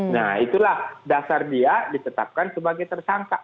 nah itulah dasar dia ditetapkan sebagai tersangka